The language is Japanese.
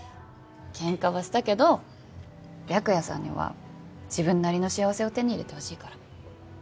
けんかはしたけど白夜さんには自分なりの幸せを手に入れてほしいから。